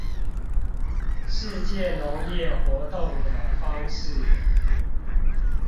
世界農業活動的方式